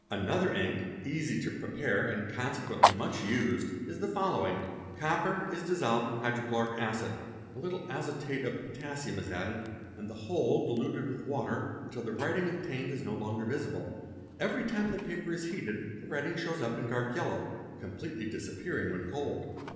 Another ink, easy to prepare and consequently much used, is the following: copper is dissolved in hydrochloric acid, a little azotate of _ potassium is added, and the whole diluted with water, until the writing obtained is no longer visible. Everytime the paper is heated the writing starts up in dark yellow, completely disappearing when cold.